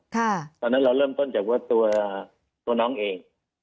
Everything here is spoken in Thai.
ตอนนั้นเราเริ่มต้นจากว่าตัวน้องเอง